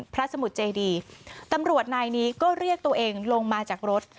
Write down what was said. สมุทรเจดีตำรวจนายนี้ก็เรียกตัวเองลงมาจากรถ